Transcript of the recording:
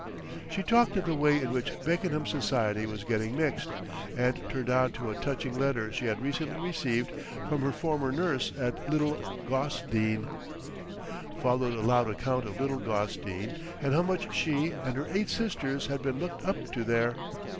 She talked of the way in which Beckenham society was getting mixed, and turned on to a touching letter she had recently received from her former nurse at Little Gossdean. Followed a loud account of Little Gossdean and how much she and her eight sisters had been looked up to there.